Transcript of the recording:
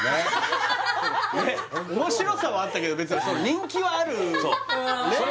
面白さはあったけど別に人気はあるねっ